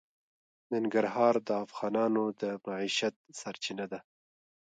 ننګرهار د افغانانو د معیشت سرچینه ده.